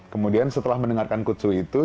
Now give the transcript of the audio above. kemudian setelah mendengarkan kutsu itu